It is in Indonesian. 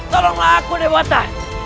tolonglah aku dewata